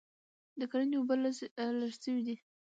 د کرني اوبه لږ سوي دي